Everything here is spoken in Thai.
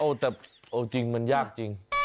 เอาแต่เอาจริงมันยากจริง